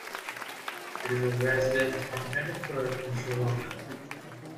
It is a resident endemic bird in Sri Lanka.